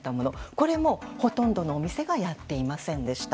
これもほとんどのお店がやっていませんでした。